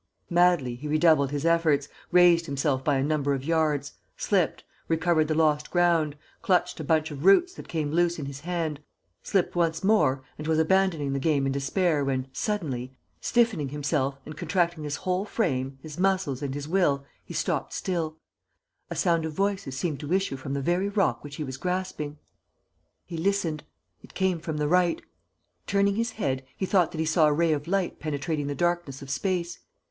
Madly, he redoubled his efforts, raised himself by a number of yards, slipped, recovered the lost ground, clutched a bunch of roots that came loose in his hand, slipped once more and was abandoning the game in despair when, suddenly, stiffening himself and contracting his whole frame, his muscles and his will, he stopped still: a sound of voices seemed to issue from the very rock which he was grasping. He listened. It came from the right. Turning his head, he thought that he saw a ray of light penetrating the darkness of space.